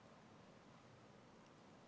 jangan sampai dalam situasi ini